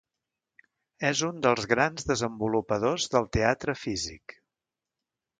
És un dels grans desenvolupadors del teatre físic.